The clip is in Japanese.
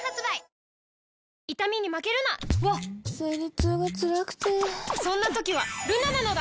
わっ生理痛がつらくてそんな時はルナなのだ！